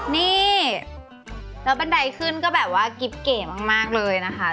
นี่แล้วบันไดขึ้นก็แบบว่ากิ๊บเก๋มากเลยนะคะ